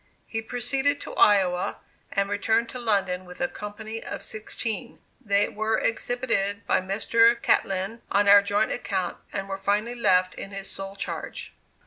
He proceeded to Iowa, and returned to London with a company of sixteen. They were exhibited by Mr. Catlin on our joint account, and were finally left in his sole charge.